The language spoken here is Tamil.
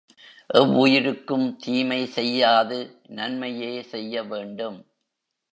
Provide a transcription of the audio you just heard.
எவ்வுயிருக்கும் தீமை செய்யாது நன்மையே செய்ய வேண்டும்.